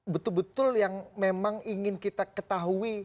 betul betul yang memang ingin kita ketahui